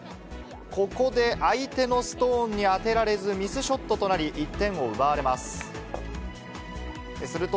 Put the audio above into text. ここで、相手のストーンに当てられず、ミスショットとなり、１点を奪われます。